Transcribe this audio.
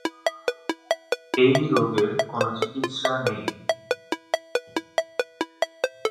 এই রোগের কোন চিকিৎসা নেই।